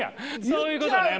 そういうことね。